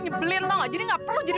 jalan nota kamu berarti